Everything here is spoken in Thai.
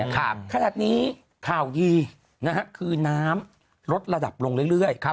ขนาดนี้ข่าวดีนะฮะคือน้ำลดระดับลงเรื่อย